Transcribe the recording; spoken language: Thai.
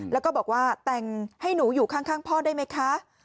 แล้วก็บอกว่าแต่งให้หนูอยู่ข้างพ่อได้ไหมคะ